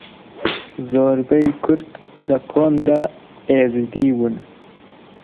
زۆربەی کورد لە کۆندا ئێزدی بوون.